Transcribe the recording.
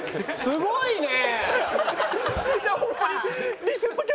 すごいね！